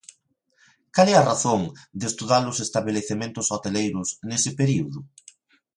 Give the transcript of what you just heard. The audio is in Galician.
Cal é a razón de estudar os estabelecementos hoteleiros nese período?